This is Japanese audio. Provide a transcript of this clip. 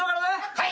はい。